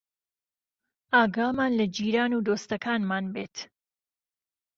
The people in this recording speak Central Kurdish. ئاگامان لە جیران و دۆستەکانمان بێت